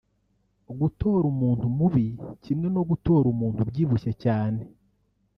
Gutora umuntu mubi kimwe no gutora umuntu ubyibushye cyane